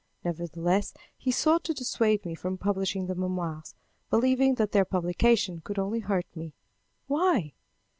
Nevertheless, he sought to dissuade me from publishing the memoirs, believing that their publication could only hurt me. "Why?"